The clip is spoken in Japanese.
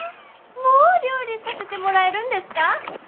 もう料理させてもらえるんですか？